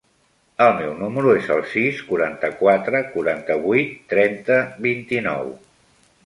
El meu número es el sis, quaranta-quatre, quaranta-vuit, trenta, vint-i-nou.